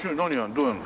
どうやるの？